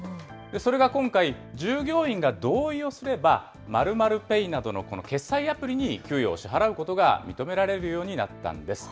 それが今回、従業員が同意をすれば、○○ペイなどの決済アプリに給与を支払うことが認められるようになったんです。